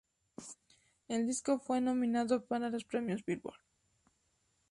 El disco fue nominado para los Premios Billboard.